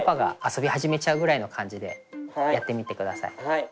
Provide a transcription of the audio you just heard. はい。